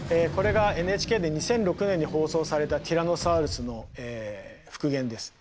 これがＮＨＫで２００６年に放送されたティラノサウルスの復元です。